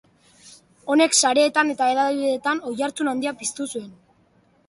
Honek sareetan eta hedabideetan oihartzun handia piztu zuen.